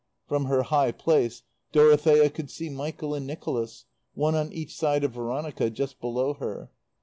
From her high place Dorothea could see Michael and Nicholas, one on each side of Veronica, just below her.